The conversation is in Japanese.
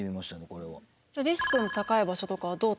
これは。